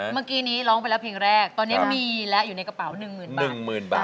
เมื่อกี้นี้ร้องไปแล้วเพลงแรกตอนนี้มีและอยู่ในกระเป๋า๑๐๐๐บาท๑๐๐๐บาท